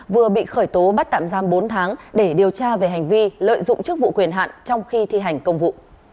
vừa bị khởi tố bắt tạm giam bốn tháng để điều tra về hành vi lợi dụng chức vụ quyền hạn trong khi thi hành công vụ